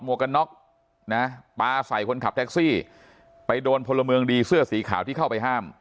วกกันน็อกนะปลาใส่คนขับแท็กซี่ไปโดนพลเมืองดีเสื้อสีขาวที่เข้าไปห้าม